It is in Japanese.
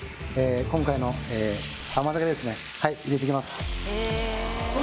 今回の甘酒ですねはい入れていきます